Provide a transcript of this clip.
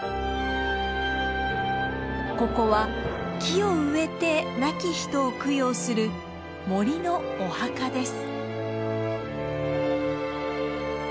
ここは木を植えて亡き人を供養する森のお墓です。